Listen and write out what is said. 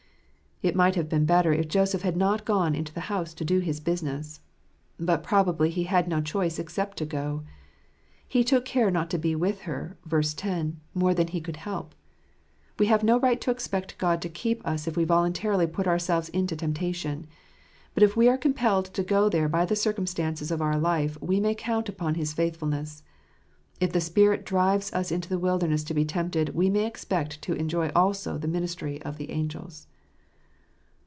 It might have been better if Joseph had not gone into the house to do his business ; but probably he had no choice except to go. He took care not to be with her (ver. 10) more than he could help. We have no right to expect God to keep us if we voluntarily put ourselves into temptation. But if we are compelled to go there by the circumstances of our life, we may count upon His faithfulness. If the Spirit drive th us into the wilderness to be tempted, we may expect to enjoy also the ministry of the angels.